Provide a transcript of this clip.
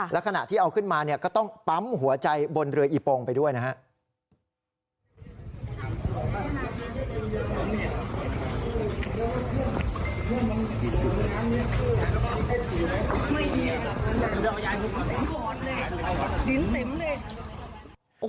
และขณะที่เอาขึ้นมาเนี่ยก็ต้องปั๊มหัวใจบนเรืออีโปงไปด้วยนะครับ